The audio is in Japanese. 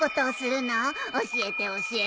教えて教えて。